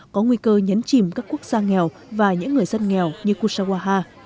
có nguy cơ nhấn chìm các quốc gia nghèo và những người dân nghèo như kusawaha